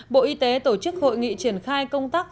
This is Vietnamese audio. bộ y tế tổ chức hội nghị triển khai công tác